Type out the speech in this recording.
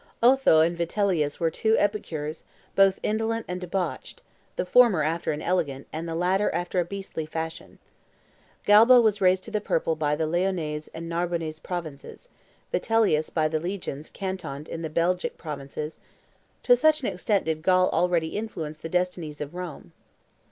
Otho and Vitellius were two epicures, both indolent and debauched, the former after an elegant, and the latter after a beastly fashion. Galba was raised to the purple by the Lyonnese and Narbonnese provinces, Vitellius by the legions cantoned in the Belgic province: to such an extent did Gaul already influence the destinies of Rome.